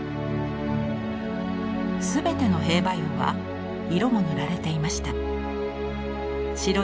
全ての兵馬俑は色も塗られていました。